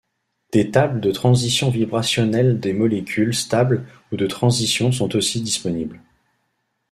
Des tables de transitions vibrationnelles des molécules stables ou de transition sont aussi disponibles.